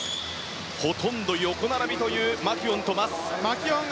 ほとんど横並びというマキュオンとマス。